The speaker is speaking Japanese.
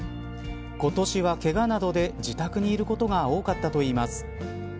今年はけがなどで、自宅にいることが多かったといいます。